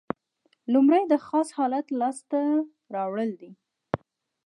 لومړی د خاص حالت لاس ته راوړل دي.